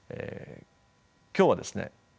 今日はですね